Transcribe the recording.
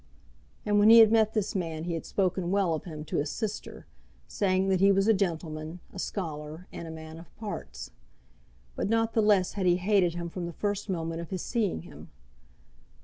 And when he had met this man he had spoken well of him to his sister, saying that he was a gentleman, a scholar, and a man of parts; but not the less had he hated him from the first moment of his seeing him.